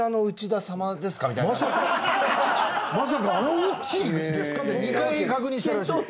「まさかまさかあのうっちーですか？」って２回確認したらしい。